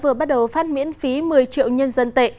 đã vừa bắt đầu phát miễn phí một mươi triệu ui